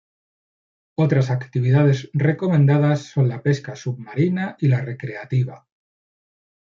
Otras actividades recomendadas son la pesca submarina y la recreativa.